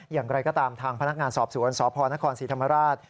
อย่างไรก็ตามทางพนักงานสอบสวนสพนครศรีธรรมราช